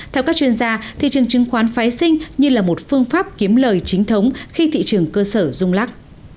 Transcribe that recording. theo các chuyên gia thị trường chứng khoán phái sinh như là một phương pháp kiếm lời chính thống khi thị trường cơ sở rung lắc